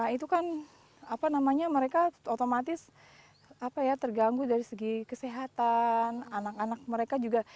itu kan apa namanya mereka otomatis terganggu dari segi kesehatan anak anak mereka juga